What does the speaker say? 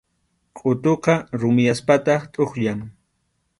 Qʼutuqa rumiyaspataq tʼuqyan.